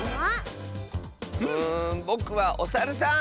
うんぼくはおサルさん！